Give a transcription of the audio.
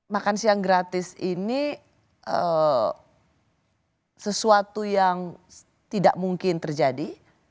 makan siang gratis ini sesuatu yang tidak mungkin terjadi